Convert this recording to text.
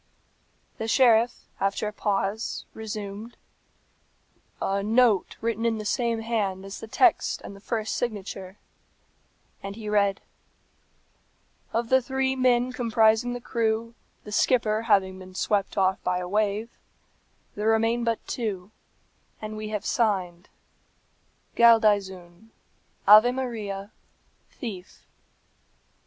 The sheriff, after a pause, resumed, a "note written in the same hand as the text and the first signature," and he read, "Of the three men comprising the crew, the skipper having been swept off by a wave, there remain but two, and we have signed, Galdeazun; Ave Maria, Thief."